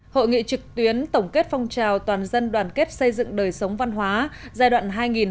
hội nghị trực tuyến tổng kết phong trào toàn dân đoàn kết xây dựng đời sống văn hóa giai đoạn